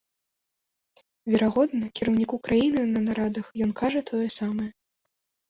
Верагодна, кіраўніку краіны на нарадах ён кажа тое самае.